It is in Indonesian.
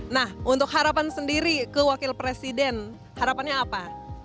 nah untuk harapan sendiri ke wakil presiden harapannya apa